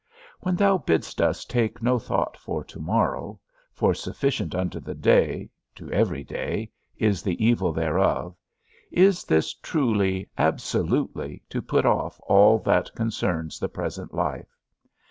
When thou bidst us take no thought for to morrow, for sufficient unto the day (to every day) is the evil thereof, is this truly, absolutely, to put off all that concerns the present life?